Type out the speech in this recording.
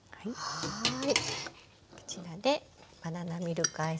はい。